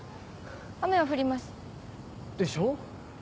雨は降ります。でしょう？